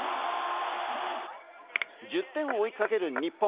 １０点を追いかける日本。